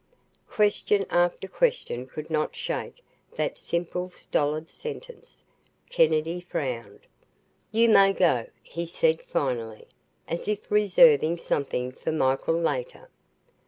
Question after question could not shake that simple, stolid sentence. Kennedy frowned. "You may go," he said finally, as if reserving something for Michael later.